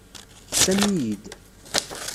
Sami-iyi-d.